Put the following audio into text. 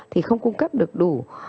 thì không cung cấp được đủ